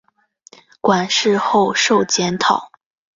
馆试后授检讨。